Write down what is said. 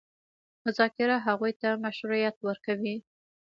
مذاکره هغوی ته مشروعیت ورکوي.